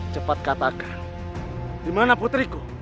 cepat katakan dimana putriku